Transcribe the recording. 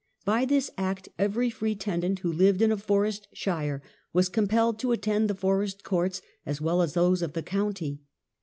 By this act every free tenant who lived in a forest shire was compelled to attend the forest courts as well as thoSe of the county.